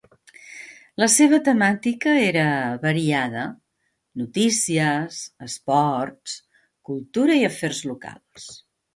La seva temàtica era variada: notícies, esports, cultura i afers locals.